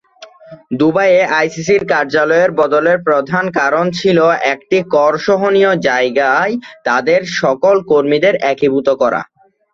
দুবাইয়ে আইসিসির কার্যালয়ের বদলের প্রধান কারণ ছিল একটি কর সহনীয় জায়গায় তাদের সকল কর্মীদের একীভূত করা।